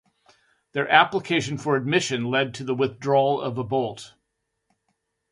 Their application for admission led to the withdrawal of a bolt.